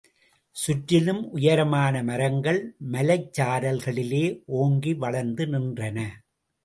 சுற்றிலும் உயரமான மரங்கள் மலைச்சாரல்களிலே ஓங்கி வளர்த்து நின்றன.